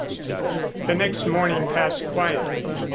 The next morning passed quietly.